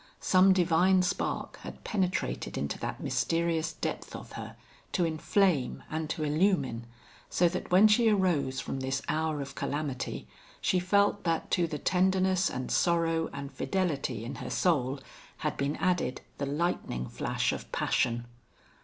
Some divine spark had penetrated into that mysterious depth of her, to inflame and to illumine, so that when she arose from this hour of calamity she felt that to the tenderness and sorrow and fidelity in her soul had been added the lightning flash of passion.